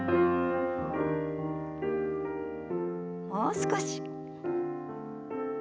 もう少し。